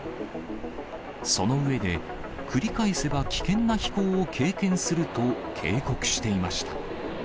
その上で、繰り返せば危険な飛行を経験すると警告していました。